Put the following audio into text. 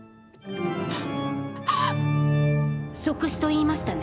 即死と言いましたね？